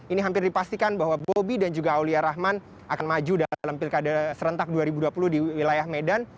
ini hampir dipastikan bahwa bobi dan juga aulia rahman akan maju dalam pilkada serentak dua ribu dua puluh di wilayah medan